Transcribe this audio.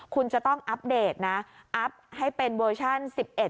คุณจะต้องอัปเดตนะอัพให้เป็นเวอร์ชั่น๑๑